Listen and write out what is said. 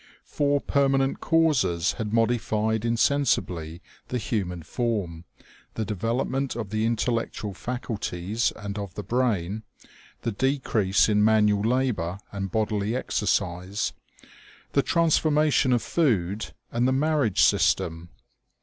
Four permanent causes had modified insensibly the human form ; the development of the intellectual faculties and of the brain, the decrease in manual labor and bodily exercise, the transformation of food, and the marriage sys tem.